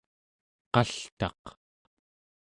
qaltaq